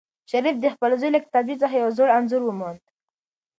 شریف د خپل زوی له کتابچې څخه یو زوړ انځور وموند.